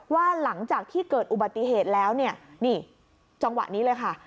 ว่าหลังจากที่เกิดอุบัติเหตุแล้วเนี่ยนี่จังหวะนี้เลยค่ะ